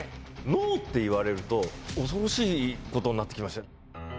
脳って言われると恐ろしいことになってきました。